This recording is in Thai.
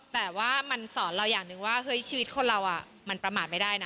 แต่ว่แหละมันสอนเราอย่างหนึ่งว่าชื่อวิชัพดิ์ที่อะไรมามันประมาทไม่ได้